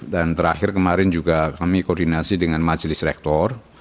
dan terakhir kemarin juga kami koordinasi dengan majelis rektor